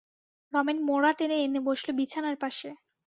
রমেন মোড়া টেনে এনে বসল বিছানার পাশে।